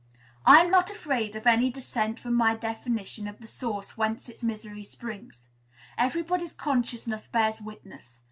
I am not afraid of any dissent from my definition of the source whence its misery springs. Everybody's consciousness bears witness.